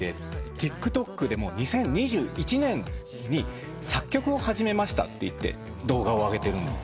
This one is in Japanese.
ＴｉｋＴｏｋでも２０２１年に作曲を始めましたって動画を上げてる。